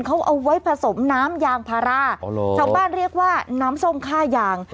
เขาเอาไว้ผสมน้ำยางพาราชาวบ้านเรียกว่าน้ำส้มค่ายาง